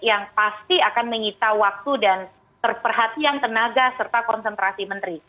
yang pasti akan menyita waktu dan perhatian tenaga serta konsentrasi menteri